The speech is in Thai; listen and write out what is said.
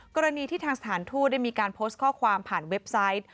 กรณีที่ทางสถานทูตได้มีการโพสต์ข้อความผ่านเว็บไซต์